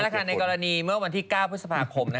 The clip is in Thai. ในกรณีเมื่อวันที่๙พฤษภาคม